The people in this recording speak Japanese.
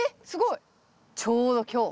ちょうど今日。